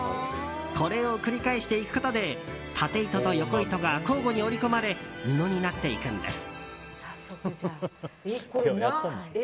これを繰り返していくことで縦糸と横糸が交互に織り込まれ布になっていくんです。